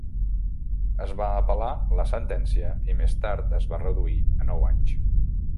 Es va apel·lar la sentència i més tard es va reduir a nou anys.